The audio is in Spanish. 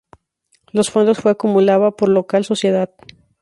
Los fondos fue acumulaba por local sociedad.